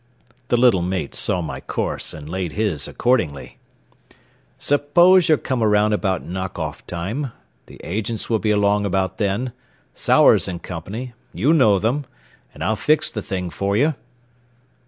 The little mate saw my course and laid his accordingly. "S'pose you come around about knock off time. The agents will be along about then Sauers and Co.; you know them; and I'll fix the thing for you."